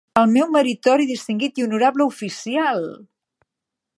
El meu meritori, distingit i honorable oficial!